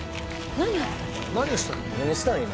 「何したの？」